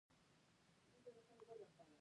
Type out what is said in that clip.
د نجونو تعلیم د ټولنې پراختیا مرسته کوي.